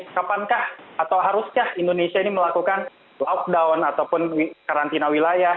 kapankah atau haruskah indonesia ini melakukan lockdown ataupun karantina wilayah